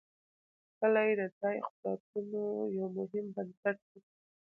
کلي د ځایي اقتصادونو یو مهم بنسټ دی.